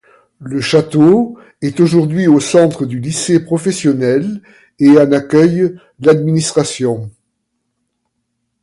Le château est aujourd'hui au centre du lycée professionnel et en accueille l'administration.